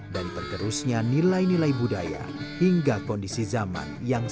dan terterusnya nilai nilai budaya hingga kondisi zaman yang sama